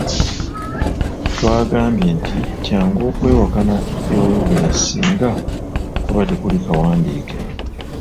Twagambye nti kyangu okwewakana bye wayogera singa kuba tekuli kawandiike.